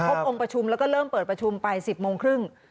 องค์ประชุมแล้วก็เริ่มเปิดประชุมไป๑๐โมงครึ่ง